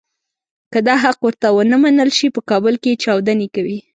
که دا حق ورته ونه منل شي په کابل کې چاودنې کوي.